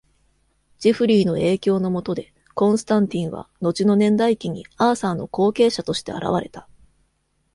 ジェフリーの影響の下で、コンスタンティンは、後の年代記にアーサーの後継者として現れた。